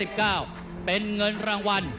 ท่านแรกครับจันทรุ่ม